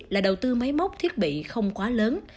là đầu tư máy móc thiết bị không quá lớn